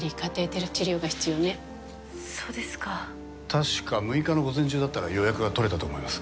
確か６日の午前中だったら予約が取れたと思います。